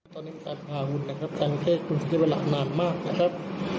ตอนนี้การพาหุ้นจังเทศคุณศักดิ์เวลานานมากนะครับ